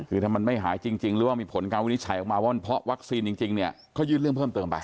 คือถ้ามันไม่หายจริงหรือว่ามีผลการวินิจฉัยออกมาว่าเพราะวัคซีนจริงเนี่ยเขายื่นเรื่องเพิ่มเติมไป